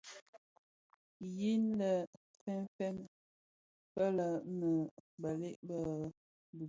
Yin lè fèn fèn fëlë nnë bëlëg bi dhikuu.